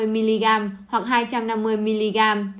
hai trăm năm mươi mg hoặc hai trăm năm mươi mg